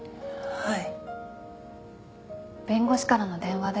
「はい」